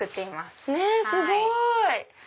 すごい！